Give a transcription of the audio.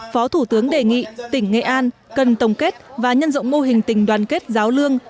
phó thủ tướng đề nghị tỉnh nghệ an cần tổng kết và nhân rộng mô hình tình đoàn kết giáo lương